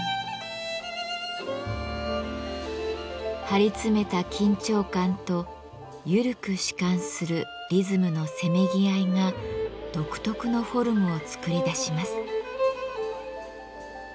張り詰めた緊張感と緩く弛緩するリズムのせめぎ合いが独特のフォルムを作り出します。